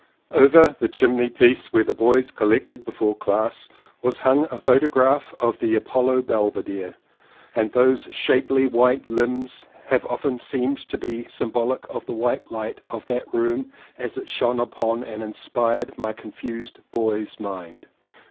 Over the chimney piece where the boys collected before class was hung a photograph of the Apollo Belvedere, and those shapely white limbs have often seemed to be sym bolic of the white light of that room as it shone upon and inspired my confused boy's mind.